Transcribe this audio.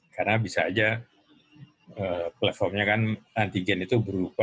karena bisa saja platformnya kan antigen itu berupa